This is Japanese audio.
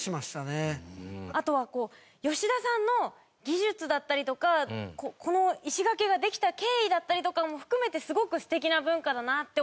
あとは吉田さんの技術だったりとかこの石垣ができた経緯だったりとかも含めてすごく素敵な文化だなって思ったので。